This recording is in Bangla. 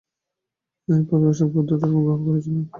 এর পরই অশোক বৌদ্ধধর্ম গ্রহণ করেছিলেন।